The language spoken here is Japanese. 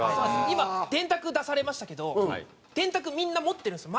今電卓出されましたけど電卓みんな持ってるんですよ